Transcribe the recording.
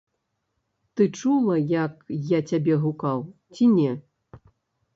Ты чула, як я цябе гукаў, ці не?